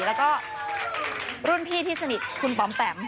แล้วก็รุ่นพี่ที่สนิทคุณปอมแปม